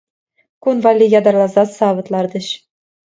Кун валли ятарласа савӑт лартӗҫ.